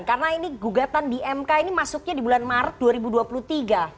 karena ini gugatan di mk ini masuknya di bulan maret dua ribu dua puluh tiga